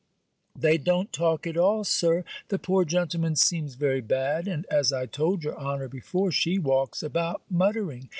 'They don't talk at all, Sir. The poor gentleman seems very bad; and as I told your honor before, she walks about muttering.